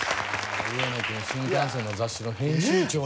上野くん新幹線の雑誌の編集長に。